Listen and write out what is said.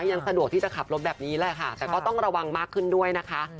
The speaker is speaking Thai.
ยังสะดวกที่จะขับรถแบบนี้แหละค่ะแต่ก็ต้องระวังมากขึ้นด้วยนะคะ